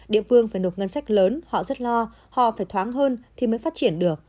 địa phương phải nộp ngân sách lớn họ rất lo họ phải thoáng hơn thì mới phát triển được